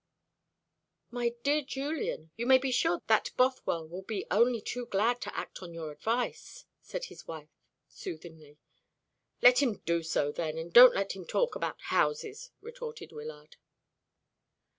"My dear Julian, you may be sure that Bothwell will be only too glad to act on your advice," said his wife soothingly. "Let him do so, then, and don't let him talk about houses," retorted Wyllard.